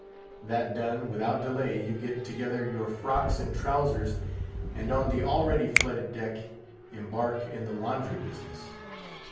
That done, without delay you get together your frocks and trowsers, and on the already flooded deck embark in the laundry business.